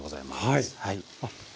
はい。